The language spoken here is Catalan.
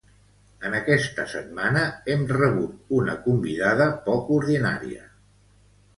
En aquesta setmana hem rebut una convidada poc ordinària.